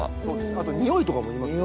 あとにおいとかも言いますよね。